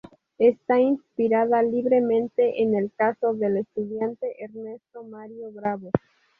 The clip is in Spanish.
Está inspirada libremente en el caso del estudiante Ernesto Mario Bravo.